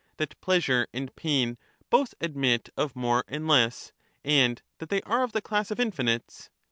That pleasure and pain both admit of more and less, and that they are of the class of infinites.